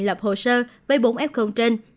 lập hồ sơ với bốn ép khung trên